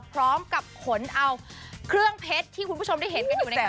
พร้อมกับขนเอาเครื่องเพชรที่คุณผู้ชมได้เห็นกันอยู่ในนั้น